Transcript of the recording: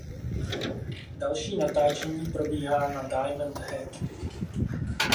Další natáčení probíhá na Diamond Head.